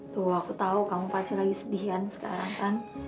tuh aku tahu kamu pasti sedih sekarang kan